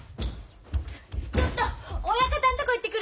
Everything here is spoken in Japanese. ちょっと親方んとこ行ってくる！